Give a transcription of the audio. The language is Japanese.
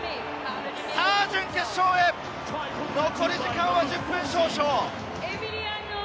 準決勝へ、残り時間は１０分少々。